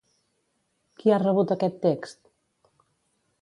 Qui ha rebut aquest text?